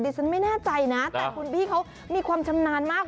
ฉันไม่แน่ใจนะแต่คุณพี่เขามีความชำนาญมาก